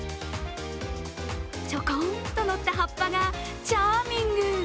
ちょこんと乗った葉っぱがチャーミング。